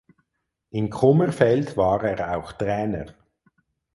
In Kummerfeld war er auch Trainer.